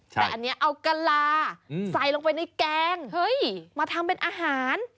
แต่อันนี้เอากะลาใส่ลงไปในแกงมาทำเป็นอาหาร